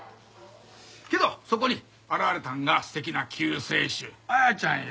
けどそこに現れたんが素敵な救世主彩ちゃんや。